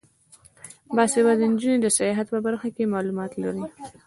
باسواده نجونې د سیاحت په برخه کې معلومات لري.